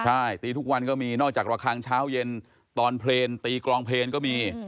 ใช่ตีทุกวันก็มีนอกจากระคังเช้าเย็นตอนเพลงตีกลองเพลงก็มี